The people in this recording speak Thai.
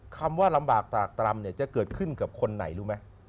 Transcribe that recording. คำว่าลำบากตากตรำเนี่ยจะเกิดขึ้นกับคนไหนรู้ไหม